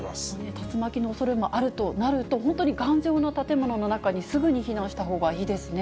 竜巻のおそれもあるとなると、本当に頑丈な建物の中にすぐに避難したほうがいいですね。